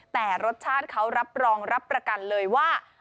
แต่รสชาติเขารับรองรับประกันเลยว่า